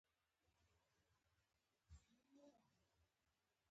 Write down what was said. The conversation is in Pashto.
ویده انسان هېڅ نه ویني